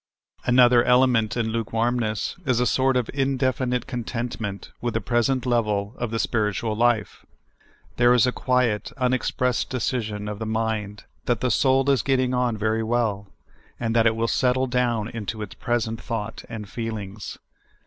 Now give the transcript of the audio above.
Another element in lukewarmness is a sort of indefi nite contentment with the present level of the spirit ual life. There is a quiet, unexpressed decision of the mind that the soul is getting on very well, and that it will settle down into its present thought and feelings.